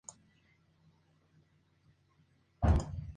Finalmente, Confraternidad Guanacasteca coloca a su líder el Dr.